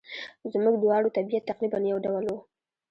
زموږ دواړو طبیعت تقریباً یو ډول وو.